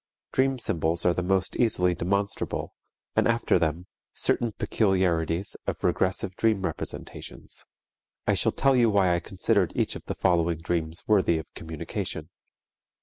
Dream symbols are the most easily demonstrable, and after them, certain peculiarities of regressive dream representations. I shall tell you why I considered each of the following dreams worthy of communication.